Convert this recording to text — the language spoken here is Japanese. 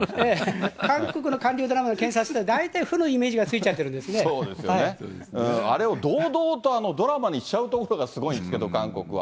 韓国の韓流ドラマの検察というのは大体、負のイメージがついそうですよね、あれを堂々とドラマにしちゃうところがすごいんですけど、韓国は。